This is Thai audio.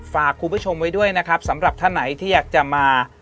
ฝากคุณผู้ชมไว้ด้วยนะครับสำหรับท่านไหนที่อยากจะมา